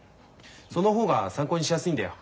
その方が参考にしやすいんだよ。